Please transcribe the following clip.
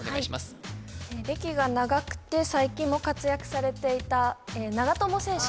はい歴が長くて最近も活躍されていた長友選手